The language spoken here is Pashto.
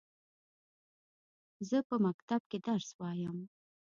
زه په مکتب کښي درس وايم.